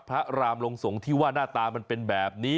พระรามลงสงฆ์ที่ว่าหน้าตามันเป็นแบบนี้